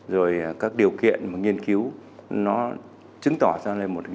rồi các điều kiện nghiên cứu nó chứng tỏ ra là một dự án hết sức quan trọng